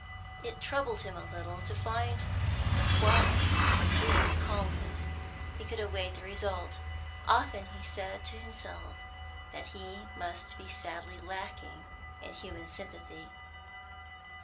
It troubled him a little to find with what complete calmness he could await the result; often he said to himself that he must be sadly lacking in human sympathy.